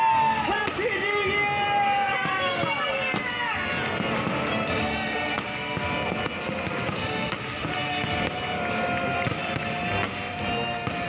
ภันธ์พี่ดีเยียม